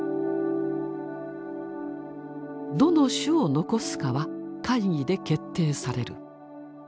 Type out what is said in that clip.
どの種を残すかは会議で決定される。